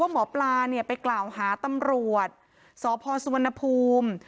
หมอปลาไปกล่าวหาตำรวจสพสุวรรณภูมิ